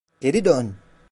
Geri dön!